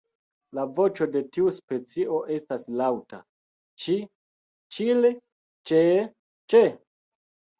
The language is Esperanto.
Voĉo de tiu specio estas laŭta "ĉi-ĉil-ĉee-ĉe".